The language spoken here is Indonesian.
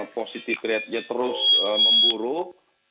positivity ratenya terus memburuk